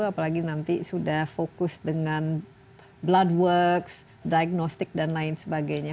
apalagi nanti sudah fokus dengan blood works diagnostic dan lain sebagainya